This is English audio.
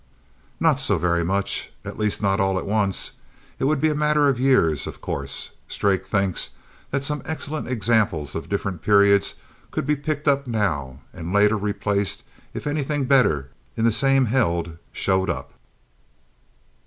"Not so very much. At least, not all at once. It would be a matter of years, of course. Strake thinks that some excellent examples of different periods could be picked up now and later replaced if anything better in the same held showed up."